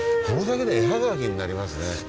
これだけで絵葉書になりますね。